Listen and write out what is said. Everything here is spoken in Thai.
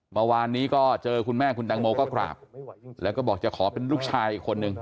เมื่อวานนี้ก็เจอคุณแม่คุณแตงโมก็กราบแล้วก็บอกจะขอเป็นลูกชายอีกคนนึง